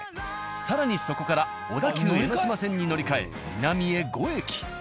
更にそこから小田急江ノ島線に乗り換え南へ５駅。